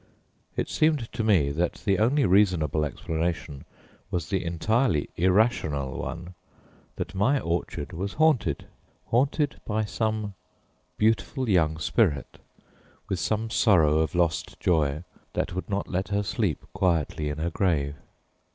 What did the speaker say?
It seemed to me that the only reasonable explanation was the entirely irrational one that my orchard was haunted: haunted by some beautiful young spirit, with some sorrow of lost joy that would not let her sleep quietly in her grave.